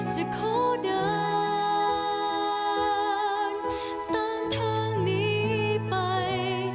จะขอเดินตามทางนี้ไป